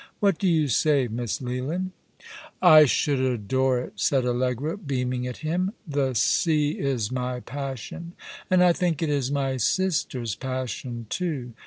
What do you say. Miss Leland ?"" I should adore it," said Allegra, beaming at him. " The sea is my passion — and I think it is my sister's passion too.